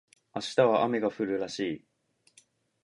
明日は雨が降るらしい